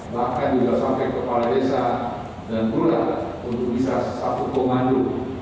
bahkan juga sampai kepala desa dan pula untuk bisa satu komando